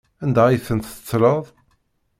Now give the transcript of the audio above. Anda ay tent-tettleḍ?